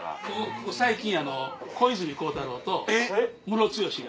ここ最近小泉孝太郎とムロツヨシが。